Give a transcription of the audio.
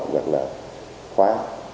hoặc là khóa